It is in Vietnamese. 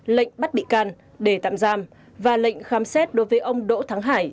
lệnh bắt bị can để tạm giam và lệnh khám xét đối với ông đỗ thắng hải